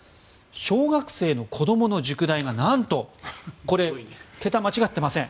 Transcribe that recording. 小学生の子供の塾代が何と桁、間違っていません。